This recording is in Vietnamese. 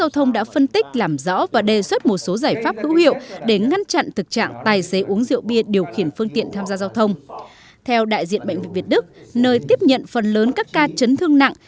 theo đại diện bệnh viện việt đức nơi tiếp nhận phần lớn các ca chấn thương nặng